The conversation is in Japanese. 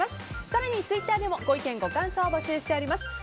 更に、ツイッターでもご意見、ご感想募集しております。